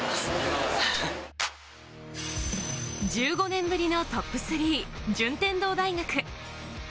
１５年ぶりのトップ３、順天堂大学。